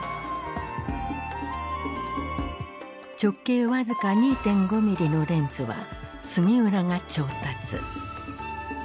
直径僅か２．５ミリのレンズは杉浦が調達。